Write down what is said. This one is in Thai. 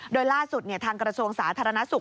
โดยล่าสุดทางกระทรวงสาธารณสุข